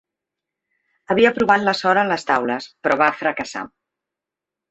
Havia provat la sort a les taules però va fracassar.